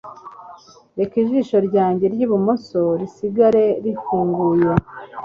Reka ijisho ryanjye ry'ibumoso risigare rifunguye